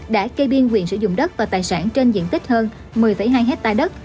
đã kê biên quyền sử dụng đất và tài sản trên diện tích hơn một mươi hai hectare đất